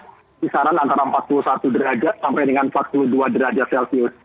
kisaran antara empat puluh satu derajat sampai dengan empat puluh dua derajat celcius